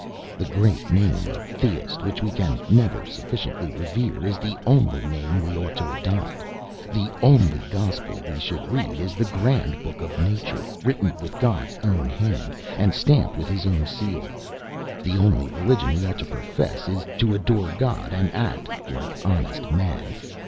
'The great name of Theist, which we can never sufficiently revere,' is the only name we ought to adopt. The only gospel we should read is the grand book of nature, written with God's own hand, and stamped with his own seal. The only religion we ought to profess is, 'to adore God, and act like honest men.'